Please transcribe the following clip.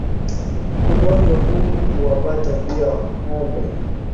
Ugonjwa huu huwapata pia ngombe